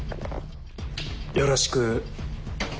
よろしく。